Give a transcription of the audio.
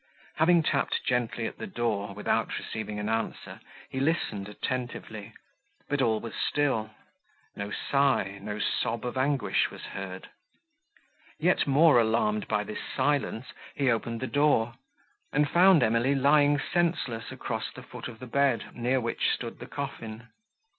Having tapped gently at the door, without receiving an answer, he listened attentively, but all was still; no sigh, no sob of anguish was heard. Yet more alarmed by this silence, he opened the door, and found Emily lying senseless across the foot of the bed, near which stood the coffin.